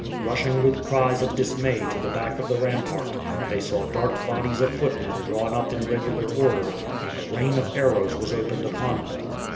Rushing with cries of dismay to the back of the rampart, they saw dark bodies of footmen drawn up in regular order, and a rain of arrows was opened upon them.